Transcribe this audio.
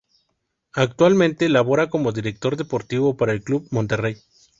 Actualmente labora como Director Deportivo para el Club Monterrey.